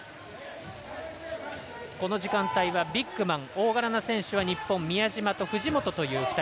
この時間帯はビッグマン大柄な選手は日本、宮島と藤本という２人。